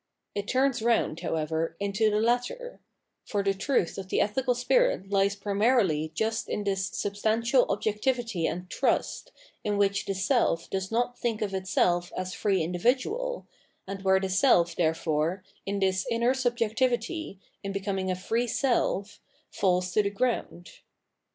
It turns round, however, into the latter ; for the truth of the ethical spirit hes primarily just in this substantial objectivity and trust, in which the self does not think of itself as free individual, and where the self, therefore, in this inner subjectivity, ia becoming a free self, falls to the ground.